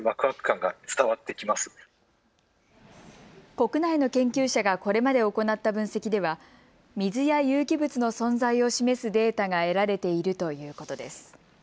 国内の研究者がこれまで行った分析では水や有機物の存在を示すデータが得られているということです。